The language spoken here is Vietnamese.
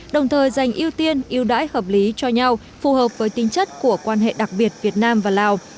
đồng thời dành ưu tiên yêu đãi hợp lý cho nhau phù hợp với tính chất của quan hệ đặc biệt việt nam và lào